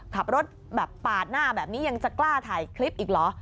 ขับรถแบบปาดหน้าแบบนี้ยังจะกล้าถ่ายคลิปอีกเหรอ